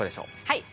はい。